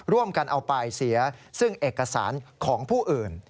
ร่วมกันเอาปลายเสียซึ่งเอกสารของผู้อื่น